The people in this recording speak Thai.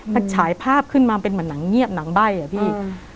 มันฉายภาพขึ้นมาเป็นเหมือนหนังเงียบหนังใบ้อะพี่